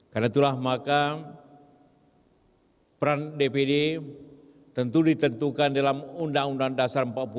karena itulah maka peran dpd tentu ditentukan dalam undang undang dasar empat puluh lima